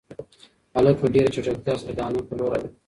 هلک په ډېره چټکتیا سره د انا په لور روان و.